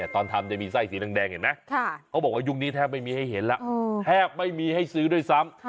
ตอนทำจะมีไส้สีแดงเห็นไหมเขาบอกว่ายุคนี้แทบไม่มีให้เห็นแล้วแทบไม่มีให้ซื้อด้วยซ้ำ